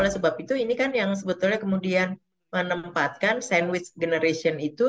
oleh sebab itu ini kan yang sebetulnya kemudian menempatkan sandwich generation itu